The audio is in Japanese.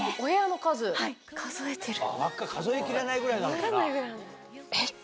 数え切れないぐらいなのかな？